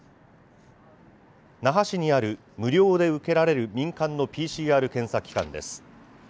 那覇市にある無料で受けられる民間のＰＣＲ検査機関です。